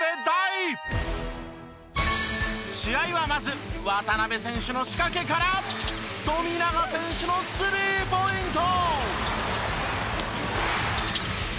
試合はまず渡邊選手の仕掛けから富永選手のスリーポイント！